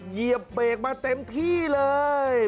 เหยียบเบรกมาเต็มที่เลย